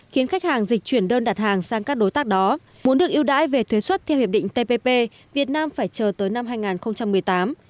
khiến khách hàng dịch chuyển đơn đặt hàng sang các đối tác đó muốn được ưu đãi về thuế xuất theo hiệp định tpp việt nam phải chờ tới năm hai nghìn một mươi tám